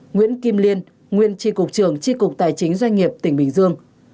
nguyễn kim liên nguyên tri cục trường tri cục tài chính doanh nghiệp tỉnh bình dương